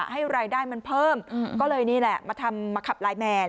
ให้รายได้มันเพิ่มก็เลยนี่แหละมาทำมาขับไลน์แมน